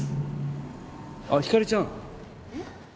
あっひかりちゃん。えっ？